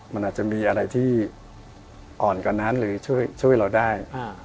มันอาจจะมีอะไรที่อ่อนกว่านั้นหรือช่วยเราได้